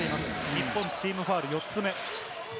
日本チームファウルが４つ目。